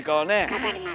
分かります。